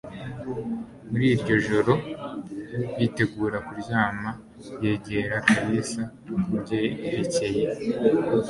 Muri iryo joro bitegura kuryama, yegera Kalisa kubyerekeye.